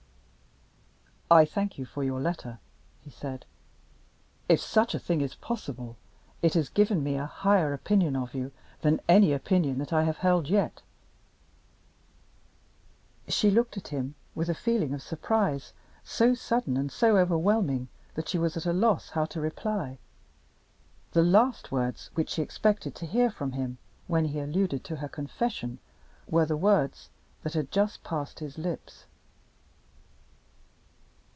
"I thank you for your letter," he said. "If such a thing is possible, it has given me a higher opinion of you than any opinion that I have held yet." She looked at him with a feeling of surprise, so sudden and so overwhelming that she was at a loss how to reply. The last words which she expected to hear from him, when he alluded to her confession, were the words that had just passed his lips.